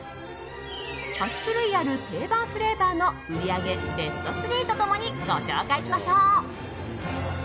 ８種類ある定番フレーバーの売り上げベスト３と共にご紹介しましょう。